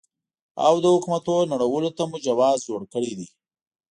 او د حکومتونو نړولو ته مو جواز جوړ کړی دی.